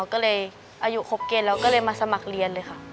ก็เลยอายุครบเกณฑ์แล้วก็เลยมาสมัครเรียนเลยค่ะ